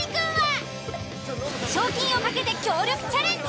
賞金を懸けて協力チャレンジ。